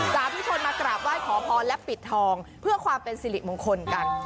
สาธุชนมากราบไหว้ขอพรและปิดทองเพื่อความเป็นสิริมงคลกัน